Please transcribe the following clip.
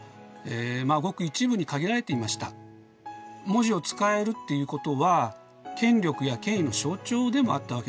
文字を使えるっていうことは権力や権威の象徴でもあったわけです。